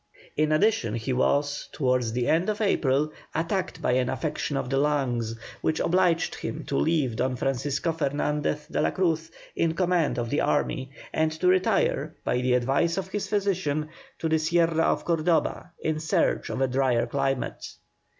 In addition he was, towards the end of April, attacked by an affection of the lungs, which obliged him to leave Don Francisco Fernandez de la Cruz in command of the army, and to retire, by the advice of his physician, to the Sierra of Cordoba, in search of a drier climate.